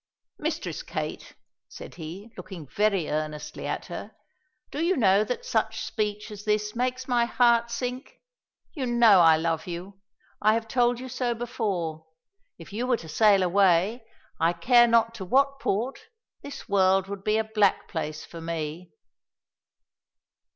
"Mistress Kate," said he, looking very earnestly at her, "do you know that such speech as this makes my heart sink? You know I love you, I have told you so before. If you were to sail away, I care not to what port, this world would be a black place for me."